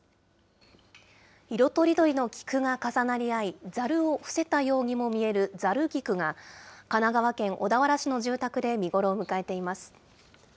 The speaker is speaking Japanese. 色とりどりの菊が重なり合い、ざるを伏せたようにも見える、ざる菊が神奈川県小田原市の住宅で見頃を迎えています。